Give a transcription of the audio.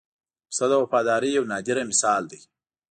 پسه د وفادارۍ یو نادره مثال دی.